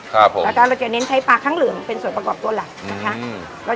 แล้วก็เราจะเน้นใช้ปลาข้างเหลืองเป็นส่วนประกอบตัวหลักนะคะ